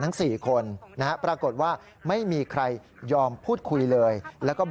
พอดีเป็นนักข่าวจากไทรัสทีวีครับท่านครับ